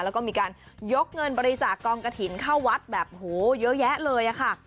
แล้วก็มีการยกเงินบริจาคกองกระถิ่นเข้าวัดแบบโหเยอะแยะเลยค่ะ